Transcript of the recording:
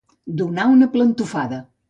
Donar una plantofada.